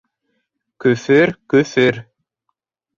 Көфөр, көфөр...